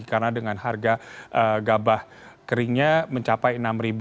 karena dengan harga gabah keringnya mencapai rp enam